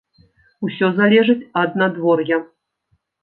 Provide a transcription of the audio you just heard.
Усё залежыць ад надвор'я.